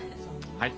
はい。